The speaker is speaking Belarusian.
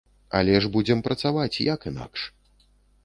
Але ж будзем працаваць, як інакш?